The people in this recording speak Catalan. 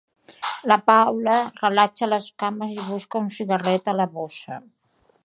La Paula relaxa les cames i busca un cigarret a la bossa.